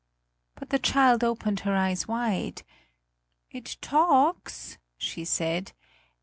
But the child opened her eyes wide. "It talks," she said.